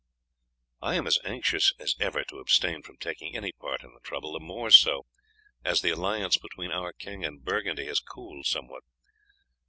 I am as anxious as ever to abstain from taking any part in the trouble, the more so as the alliance between our king and Burgundy has cooled somewhat.